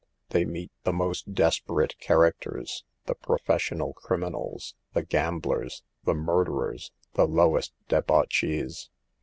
They meet the most des perate characters, the professional criminals, the gamblers, the murderers, the lowest deb auchees.